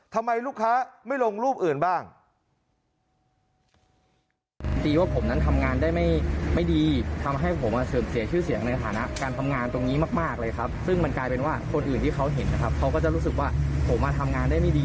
ทำไมลูกค้าไม่ลงรูปอื่นบ้าง